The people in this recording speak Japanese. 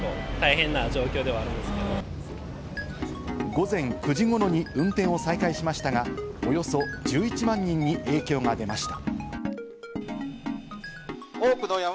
午前９時ごろに運転を再開しましたが、およそ１１万人に影響が出ました。